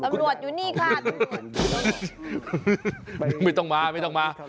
ตำรวจอยู่นี่ค่ะไม่ต้องมาไม่ต้องมา